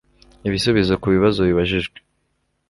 ibisubizo ku bibazo bibajijwe